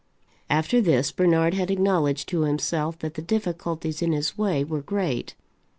After this Bernard had acknowledged to himself that the difficulties in his way were great.